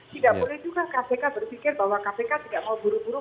tidak boleh juga kpk berpikir bahwa kpk tidak mau buru buru